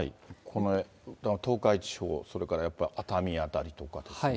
東海地方、それからやっぱり熱海辺りとかですね。